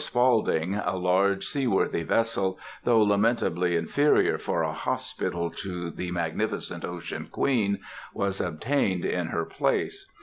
Spaulding_, a large, seaworthy vessel, though lamentably inferior for a hospital to the magnificent Ocean Queen, was obtained in her place.